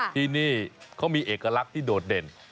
ที่นี่เขามีเอกลักษณ์ที่โดดเด่น